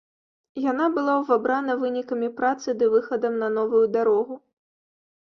Яна была ўвабрана вынікамі працы ды выхадам на новую дарогу.